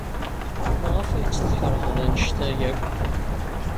Maɣef ay tt-tkeṛhed anect-a akk?